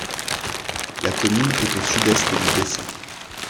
La commune est au sud-est du Bessin.